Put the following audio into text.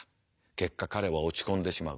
結果彼は落ち込んでしまう。